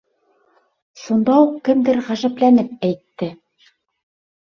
Шунда уҡ кемдер ғәжәпләнеп әйтте: